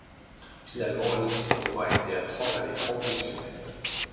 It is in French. Finalement, l'émission n'aura été absente à l'écran qu'une semaine.